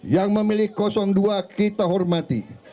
yang memilih dua kita hormati